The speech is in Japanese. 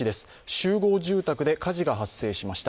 集合住宅で火事が発生しました。